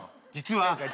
実は。